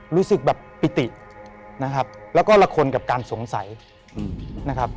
รู้สึกแบบปิตินะครับแล้วก็ละคนกับการสงสัยนะครับ